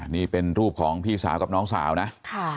นี่เป็นรูปของพี่สาวกับน้องสาวนะ